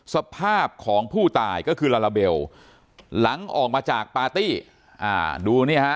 สภาพของผู้ตายก็คือลาลาเบลหลังออกมาจากปาร์ตี้อ่าดูเนี่ยฮะ